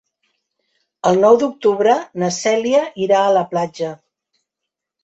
El nou d'octubre na Cèlia irà a la platja.